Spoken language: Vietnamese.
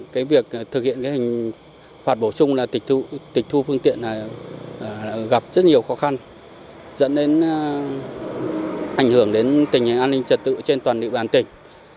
cái việc thực hiện cái hình phạt bổ sung là tịch thu phương tiện này gặp rất nhiều khó khăn dẫn đến ảnh hưởng đến tình hình an ninh trật tự trên toàn địa bàn tỉnh